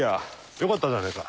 よかったじゃねえか。